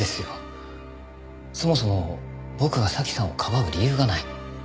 そもそも僕が早紀さんをかばう理由がない。